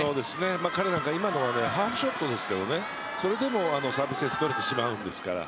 彼は今ハーフショットですけどそれでも、サービスエースを取れてしまうんですから。